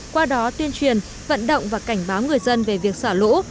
qua đó tuyên truyền vận động và cảnh báo người dân về việc xả lũ